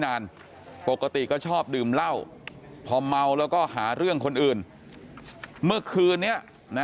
นานปกติก็ชอบดื่มเหล้าพอเมาแล้วก็หาเรื่องคนอื่นเมื่อคืนนี้นะ